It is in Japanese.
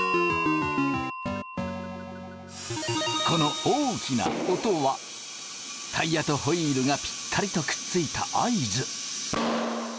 この大きな音はタイヤとホイールがぴったりとくっついた合図。